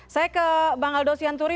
saya ke bang aldo sianturi